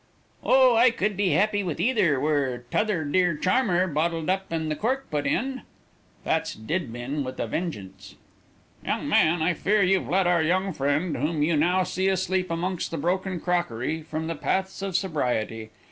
"Oh, I could be happy with either, were 'tother dear charmer bottled up and the cork put in. That's Dibdin with a vengeance." "Young man, I fear you've led our young friend, whom you now see asleep amongst the broken crockery, from the paths of sobriety.